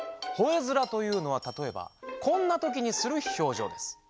「ほえ面」というのはたとえばこんなときにする表情です。